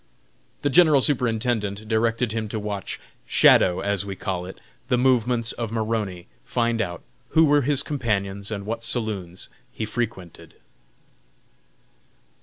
The General Superintendent directed him to watch "shadow" as we call it the movements of Maroney, find out who were his companions, and what saloons he frequented.